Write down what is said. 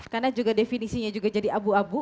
karena juga definisinya jadi abu abu